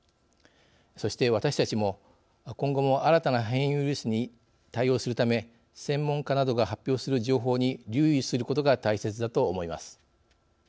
そして私たちも今後も新たな変異ウイルスに対応するため専門家などが発表する情報に留意することが大切だと思います。